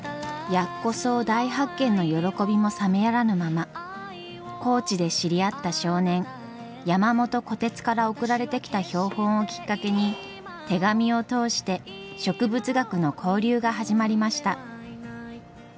ヤッコソウ大発見の喜びも冷めやらぬまま高知で知り合った少年山元虎鉄から送られてきた標本をきっかけに手紙を通して植物学の交流が始まりました。